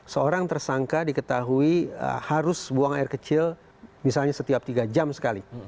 seorang tersangka diketahui harus buang air kecil misalnya setiap tiga jam sekali